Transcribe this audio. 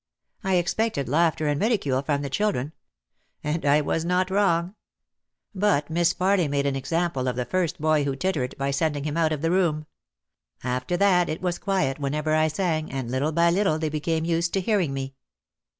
I expected laughter and ridicule from the children. And I was not wrong. But Miss Farly made an example of the first 264 OUT OF THE SHADOW boy who tittered by sending him out of the room. After that it was quiet whenever I sang and little by little they became used to hearing me.